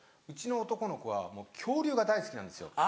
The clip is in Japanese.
うちの男の子はもう恐竜が大好きなんですよ。